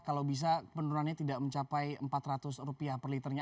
kalau bisa penurunannya tidak mencapai rp empat ratus rupiah per liternya